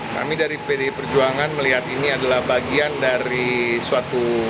kami dari pdi perjuangan melihat ini adalah bagian dari suatu